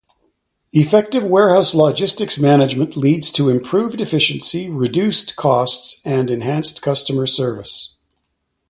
Effective warehouse logistics management leads to improved efficiency, reduced costs, and enhanced customer service.